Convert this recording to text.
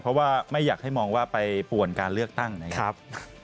เพราะว่าไม่อยากให้มองว่าไปป่วนการเลือกตั้งนะครับ